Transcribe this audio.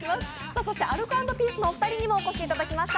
そしてアルコ＆ピースのお二人にもお越しいただきました。